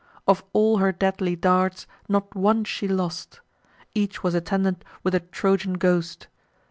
Of all her deadly darts, not one she lost; Each was attended with a Trojan ghost.